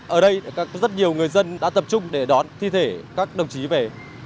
ở đây rất nhiều người dân đã tập trung để đón thi thể các đồng chí về